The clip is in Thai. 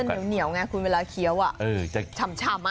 มันเหนียวไงคุณเวลาเคี้ยวจะชำ